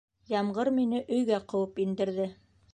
Ямғыр мине өйгә ҡыуып индерҙе.